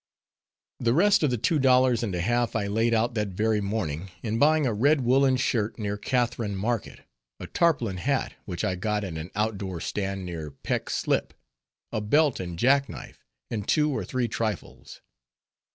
The rest of the two dollars and a half I laid out that very morning in buying a red woolen shirt near Catharine Market, a tarpaulin hat, which I got at an out door stand near Peck Slip, a belt and jackknife, and two or three trifles.